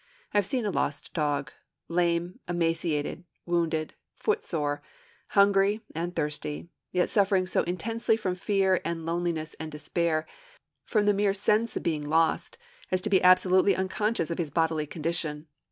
I have seen a lost dog, lame, emaciated, wounded, footsore, hungry, and thirsty, yet suffering so intensely from fear, and loneliness, and despair, from the mere sense of being lost, as to be absolutely unconscious of his bodily condition.